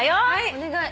お願い。